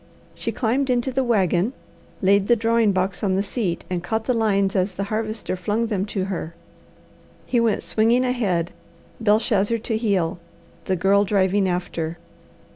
She climbed into the wagon, laid the drawing box on the seat, and caught the lines as the Harvester flung them to her. He went swinging ahead, Belshazzar to heel, the Girl driving after.